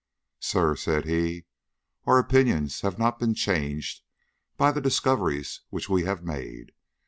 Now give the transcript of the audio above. "Sir," said he, "our opinions have not been changed by the discoveries which we have made.